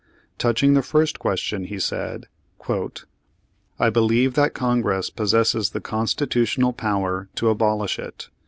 Touching the first question he said: "I believe that Congress possesses the constitutional power to abolish it.